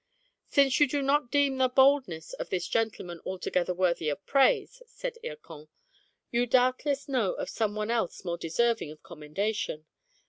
"Since you do not deem the boldness of this gentleman altogether worthy of praise," said Hircan, " you doubtless know of some one else more deserving of commendation."